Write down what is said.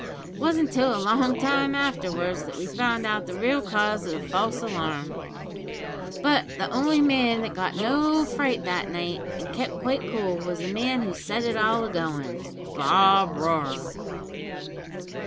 It wasn't till a long time afterwards that we found out the real cause of the false alarm; but the only man that got no fright that night, and kep' quite cool, was the man who set it all agoin' Bob Roarer."